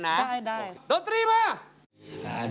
คุณฟังผมแป๊บนึงนะครับ